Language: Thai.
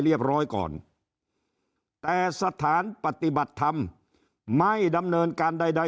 เรียบร้อยก่อนแต่สถานปฏิบัติธรรมไม่ดำเนินการใดใด